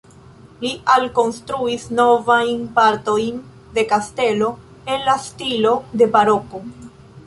Ili alkonstruis novajn partojn de kastelo en la stilo de baroko.